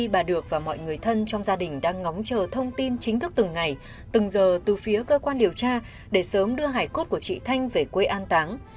bà được và mọi người thân trong gia đình đang ngóng chờ thông tin chính thức từng ngày từng giờ từ phía cơ quan điều tra để sớm đưa hải cốt của chị thanh về quê an táng